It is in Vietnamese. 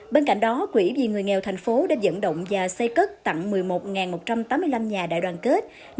bên cạnh đó quỹ vì người nghèo thành phố đã dẫn động và xây cất tặng một mươi một một trăm tám mươi năm nhà đại đoàn kết